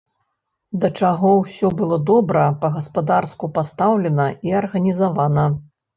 Да чаго ўсё было добра, па-гаспадарску пастаўлена і арганізавана!